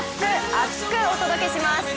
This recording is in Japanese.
厚く！お届けします。